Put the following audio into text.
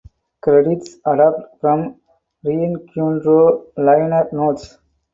Credits adapted from "Reencuentro" liner notes.